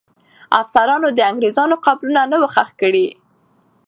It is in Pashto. افسرانو د انګریزانو قبرونه نه وو ښخ کړي.